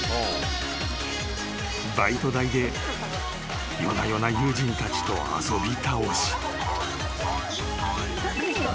［バイト代で夜な夜な友人たちと遊び倒し］